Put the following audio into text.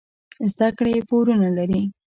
زده کړې پورونه لري.